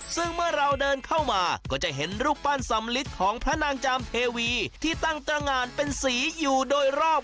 ซึ่งเมื่อเราเดินเข้ามาก็จะเห็นรูปปั้นสำลิดของพระนางจามเทวีที่ตั้งตรงานเป็นสีอยู่โดยรอบ